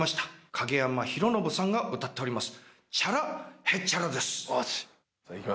影山ヒロノブさんが歌っております